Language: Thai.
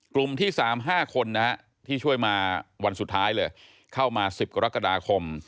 กลุ่มที่๓๕คนที่ช่วยมาวันสุดท้ายเลยเข้ามา๑๐กรกฎาคม